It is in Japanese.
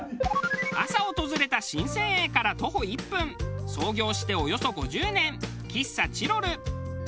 朝訪れた神泉苑から徒歩１分創業しておよそ５０年喫茶チロル。